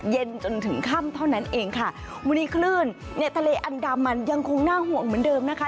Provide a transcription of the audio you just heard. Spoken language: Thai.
เย็นจนถึงค่ำเท่านั้นเองค่ะวันนี้คลื่นในทะเลอันดามันยังคงน่าห่วงเหมือนเดิมนะคะ